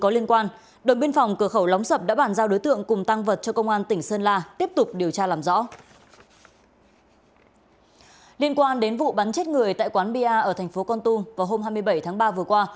liên quan đến vụ bắn chết người tại quán bia ở thành phố con tum vào hôm hai mươi bảy tháng ba vừa qua